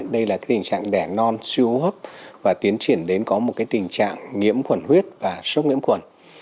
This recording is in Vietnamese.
đây là tình trạng đẻ non siêu hấp và tiến triển đến có một tình trạng nhiễm khuẩn huyết và sốc nhiễm khuẩn